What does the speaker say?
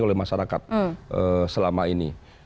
oleh masyarakat selama ini